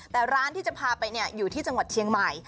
แต่ร้านที่จะพาไปอยู่ที่จังหวัดเชียงใหม่